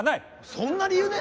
そんな理由で？